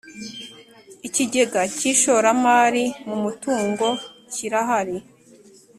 Ikigega cy’ ishoramari mu mutungo kirahari.